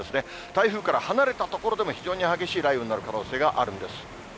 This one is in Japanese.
台風から離れた所でも、非常に激しい雷雨になる可能性があるんです。